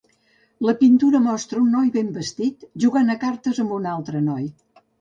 La pintura mostra un noi ben vestit jugant a cartes amb un altre noi.